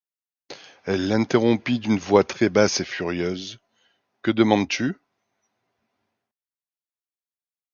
Elle l’interrompit d’une voix très basse et furieuse: — Que demandes-tu?